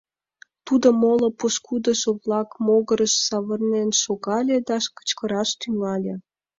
Тудо моло пошкудыжо-влак могырыш савырнен шогале да кычкыраш тӱҥале: